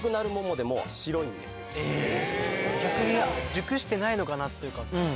逆に熟してないのかなっていうか。